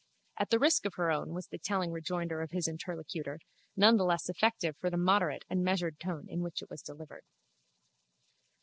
At the risk of her own, was the telling rejoinder of his interlocutor, none the less effective for the moderate and measured tone in which it was delivered.